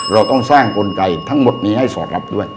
เราต้องสร้างกลไกทั้งหมดนี้ให้สอดรับด้วย